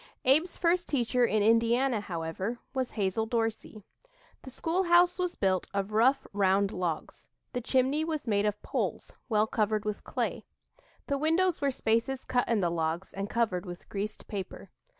Abe's first teacher in Indiana, however, was Hazel Dorsey. The school house was built of rough, round logs. The chimney was made of poles well covered with clay. The windows were spaces cut in the logs, and covered with greased paper.